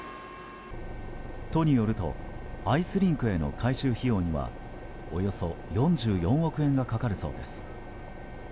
都によるとアイスリンクへの改修費用にはおよそ４４億円がかかるそうです。